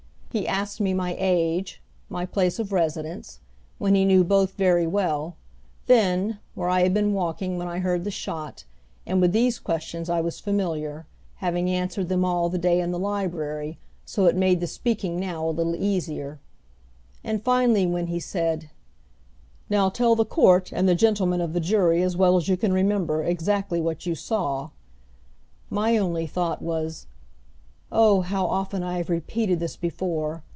He asked me my age, my place of residence, when he knew both very well, then, where had I been walking when I heard the shot; and with these questions I was familiar, having answered them all the day in the library, so it made the speaking now a little easier. And finally when he said: "Now tell the court and the gentlemen of the jury as well as you can remember exactly what you saw," my only thought was, "Oh, how often I have repeated this before!